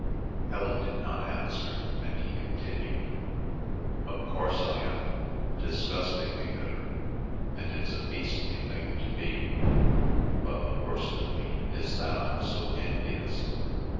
Helen did not answer, and he continued: "Of course I am, disgustingly bitter, and it's a beastly thing to be. But the worst of me is that I'm so envious.